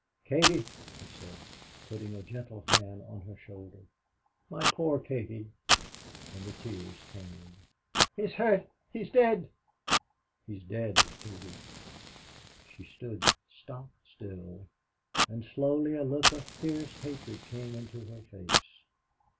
"Katie," he said, putting a gentle hand on her shoulder "my poor Katie!" and the tears came. "He's hurt! He's dead!" "He's dead, Katie." She stood stock still, and slowly a look of fierce hatred came into her face.